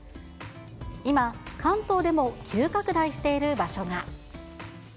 今、関東でも急拡大している場所が。